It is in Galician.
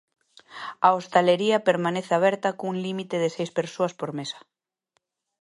A hostalería permanece aberta cun límite de seis persoas por mesa.